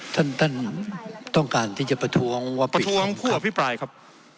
ท่านท่านต้องการที่จะประท้วงว่าประท้วงผู้อภิปรายครับ